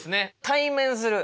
「対面する」